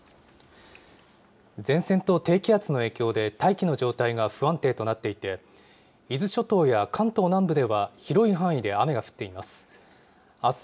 前線と低気圧の影響で大気の状態が不安定となっていて、伊豆諸島や関東南部では広い範囲で雨が降っています。